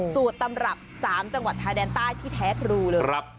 สูตรตำรับ๓จังหวัดชายแดนใต้ที่แท้ครูเลย